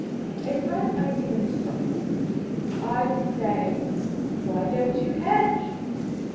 A bright idea struck him. "I say — why don't you hedge?